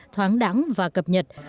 thoáng đắng và cập nhật